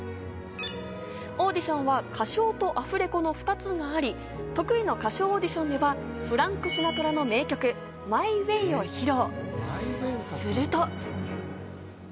オーディションは歌唱とアフレコの２つがあり、得意の歌唱オーディションではフランク・シナトラの名曲『マイ・ウェイ』を披露。